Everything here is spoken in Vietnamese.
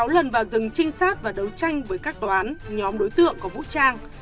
một trăm linh sáu lần vào rừng trinh sát và đấu tranh với các tòa án nhóm đối tượng có vũ trang